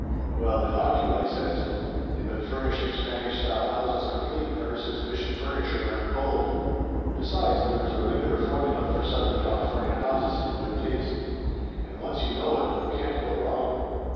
"Well, they ought to," I says. "They been furnish ing Spanish style houses complete ever since Mission furniture went cold. Besides, there is a regular formula for Southern California houses in good taste, and once you know it you can't go wrong.